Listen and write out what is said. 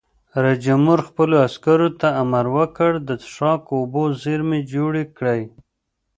رئیس جمهور خپلو عسکرو ته امر وکړ؛ د څښاک اوبو زیرمې جوړې کړئ!